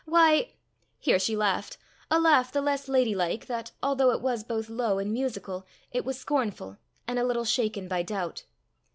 Why!" Here she laughed a laugh the less lady like that, although it was both low and musical, it was scornful, and a little shaken by doubt.